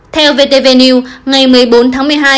theo vtv new ngày một mươi bốn tháng một mươi hai